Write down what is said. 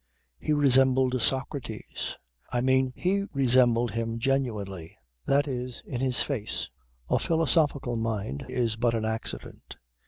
He resembled Socrates. I mean he resembled him genuinely: that is in the face. A philosophical mind is but an accident.